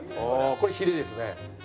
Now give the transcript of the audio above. これヒレですね。